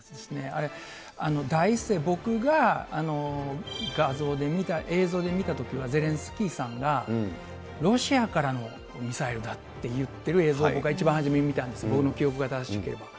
あれ、第一声、僕が画像で見た、映像で見たときは、ゼレンスキーさんが、ロシアからのミサイルだって言ってる映像を僕は一番初めに見たんです、僕の記憶が正しければ。